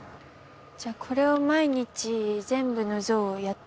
じゃあこれを毎日全部の像をやってるんですか？